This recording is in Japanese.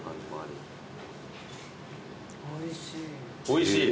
おいしい？